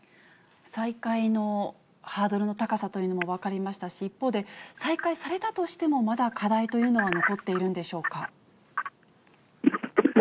再開のハードルの高さというのが分かりましたし、一方で再開されたとしても、まだ課題というのは残っているんでしょうか。